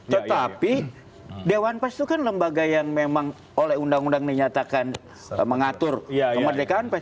tetapi dewan pers itu kan lembaga yang memang oleh undang undang dinyatakan mengatur kemerdekaan pers